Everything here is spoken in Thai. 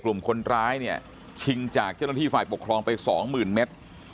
กลุ่มคนร้ายชิงจากเจ้าหน้าที่ฝ่ายปกครองไป๒๐๐๐๐เมตร